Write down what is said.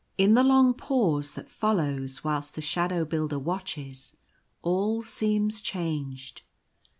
In the long pause that follows, whilst the Shadow Builder watches, all seems changed.